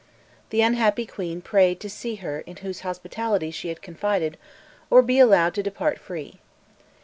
The unhappy queen prayed to see her in whose hospitality she had confided, or to be allowed to depart free.